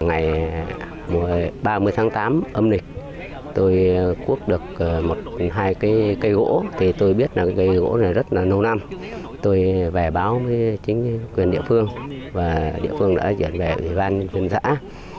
ngày ba mươi tháng tám âm lịch tôi quốc được hai cây gỗ tôi biết cây gỗ này rất nâu năm tôi về báo với chính quyền địa phương và địa phương đã chuyển về với ban phương xã